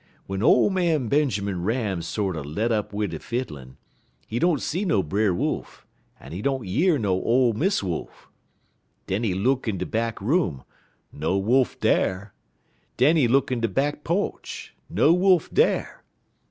"W'en ole man Benjermun Ram sorter let up wid he fiddlin', he don't see no Brer Wolf, en he don't year no ole Miss Wolf. Den he look in de back room; no Wolf dar. Den he look in de back po'ch; no Wolf dar.